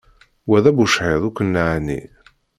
Wa d abucḥiḍ ur ken-neɛni.